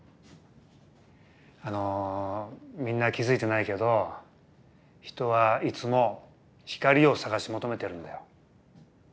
あのみんな気付いてないけど人はいつも光を探し求めてるんだよ。